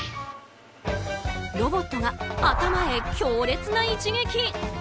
ロボットが頭へ強烈な一撃。